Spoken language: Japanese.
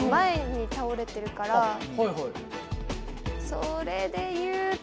それで言うと。